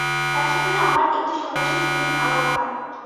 এক সময়ে আমার একটি সন্ন্যাসীর সহিত আলাপ হয়।